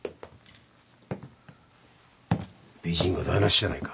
美人が台無しじゃないか。